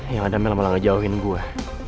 yang ada mel malah ngejauhin gue